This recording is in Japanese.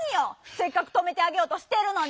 せっかくとめてあげようとしてるのに！